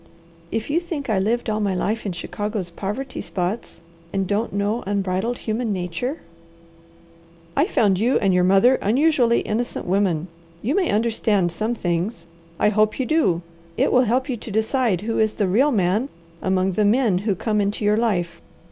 "If you think I lived all my life in Chicago's poverty spots and don't know unbridled human nature!" "I found you and your mother unusually innocent women. You may understand some things. I hope you do. It will help you to decide who is the real man among the men who come into your life.